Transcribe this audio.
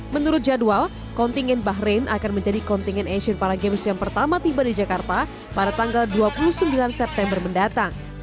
menurut jadwal kontingen bahrain akan menjadi kontingen asian paragames yang pertama tiba di jakarta pada tanggal dua puluh sembilan september mendatang